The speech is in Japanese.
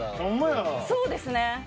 そうですね。